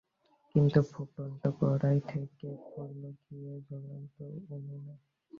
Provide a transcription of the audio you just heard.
কিন্তু ফুটন্ত কড়াই থেকে পড়ল গিয়ে জ্বলন্ত উনুনে।